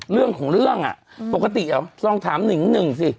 เรื่องของเรื่องอ่ะปกติลองถาม๑๑สิ